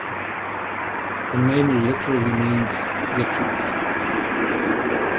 The name literally means "the truth".